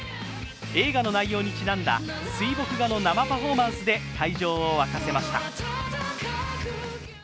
映画の内容にちなんだ水墨画の生パフォーマンスで会場を沸かせました。